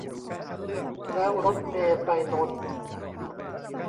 แล้วรถเมล์ไปนนท์